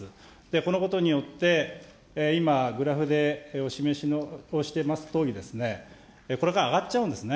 このことによって、今、グラフでお示しをしてますとおり、これから上がっちゃうんですね。